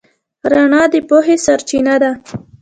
رڼا د پوهې سرچینه ده.